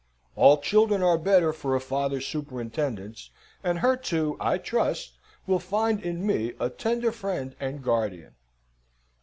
All children are better for a father's superintendence, and her two, I trust, will find in me a tender friend and guardian."